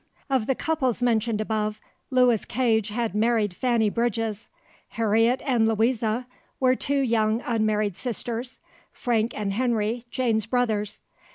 '" Of the couples mentioned above, Lewis Cage had married Fanny Bridges; Harriet and Louisa were two young unmarried sisters; Frank and Henry, Jane's brothers.